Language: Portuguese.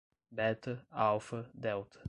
Beta, alfa, delta